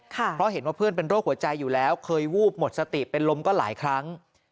เพราะเห็นว่าเพื่อนเป็นโรคหัวใจอยู่แล้วเคยวูบหมดสติเป็นลมก็หลายครั้ง